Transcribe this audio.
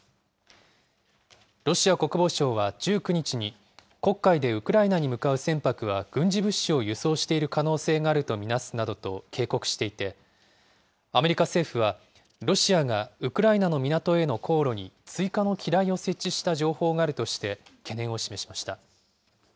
ロシア国防省は１９日に、黒海でウクライナに向かう船舶は軍事物資を輸送している可能性があると見なすなどと警告していて、アメリカ政府は、ロシアがウクライナの港への航路に追加の機雷を設置した情報があるとして、懸念を示しました。